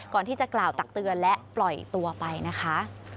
ก่อนที่จะกล่าวตักเตือนและปล่อยตัวไปนะคะ